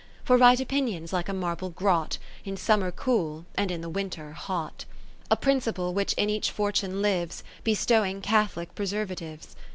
For right opinion's like a marble grot, In summer cool, and in the winter hot ; 70 A principle which in each fortune lives. Bestowing catholic preservatives.